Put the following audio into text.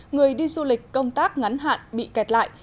người đi du lịch công tác ngắn hạn bị kẹt lại